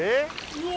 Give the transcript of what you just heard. うわ！